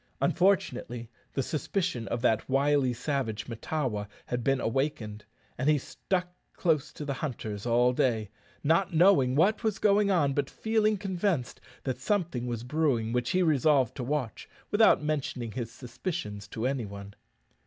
Unfortunately, the suspicion of that wily savage Mahtawa had been awakened, and he stuck close to the hunters all day not knowing what was going on, but feeling convinced that something was brewing which he resolved to watch, without mentioning his suspicions to any one.